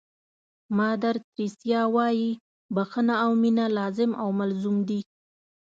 مادر تریسیا وایي بښنه او مینه لازم او ملزوم دي.